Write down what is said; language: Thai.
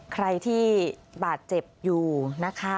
ใครที่บาดเจ็บอยู่นะคะ